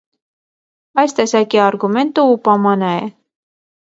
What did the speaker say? Այս տեսակի արգումենտը ուպամանա է։